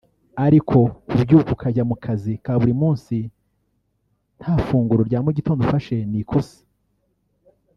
ariko kubyuka ukajya mu kazi ka buri munsi nta funguro rya mu gitondo ufashe ni ikosa